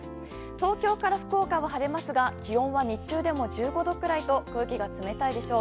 東京から福岡は晴れますが気温は日中でも１５度くらいと空気が冷たいでしょう。